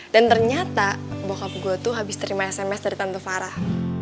dan ternyata bokap gue tuh habis terima sms dari tante farah